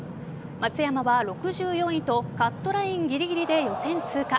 松山は６４位とカットラインぎりぎりで予選通過。